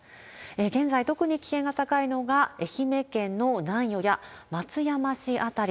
現在、特に危険が高いのが愛媛県の南予や松山市辺り。